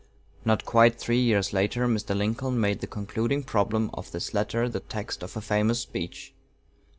Not quite three years later Mr. Lincoln made the concluding problem of this letter the text of a famous speech.